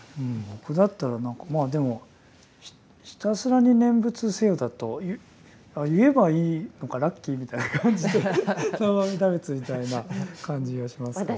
僕だったらまあでもひたすらに念仏をせよだと言えばいいのかラッキーみたいな感じで南無阿弥陀仏みたいな感じがしますけどね。